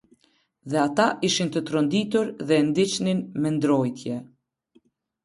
Dhe ata ishin të tronditur dhe e ndiqnin me ndrojtje.